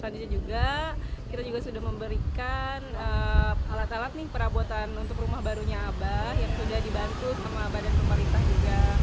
selanjutnya juga kita juga sudah memberikan alat alat nih perabotan untuk rumah barunya abah yang sudah dibantu sama badan pemerintah juga